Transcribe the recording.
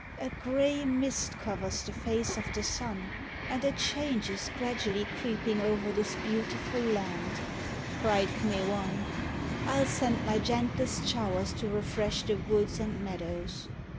"A grey mist covers the face of the sun and a change is gradually creeping over this beautiful land," cried K'me wan. "I'll send my gentlest showers to refresh the woods and meadows."